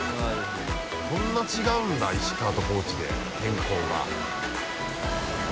こんな違うんだ石川と高知で天候が。